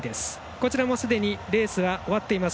こちらもすでにレースは終わっています。